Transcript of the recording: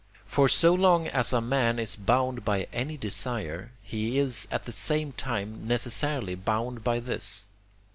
For, so long as a man is bound by any desire, he is at the same time necessarily bound by this.